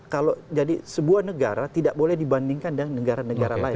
kalau jadi sebuah negara tidak boleh dibandingkan dengan negara negara lain